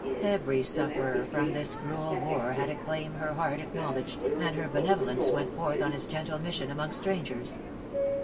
Every sufferer from this cruel war had a claim her heart acknowledged, and her benevolence went forth on its gentle mission among strangers.